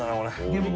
でも。